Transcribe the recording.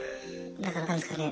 だから何ですかね